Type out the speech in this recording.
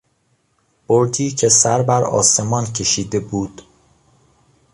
برجی که سر برآسمان کشیده بود